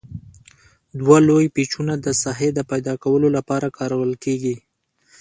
دوه لوی پیچونه د ساحې د پیداکولو لپاره کارول کیږي.